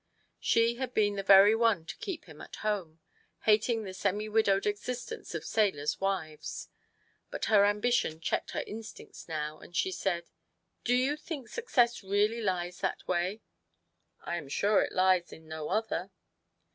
She had been the very one to keep him at home, hating the semi widowed existence of sailors' wives. But her ambition checked her instincts now, and she said " Do you think success really lies that way ?"" I am sure it lies in no other."